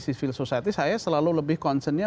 sivil society saya selalu lebih konsennya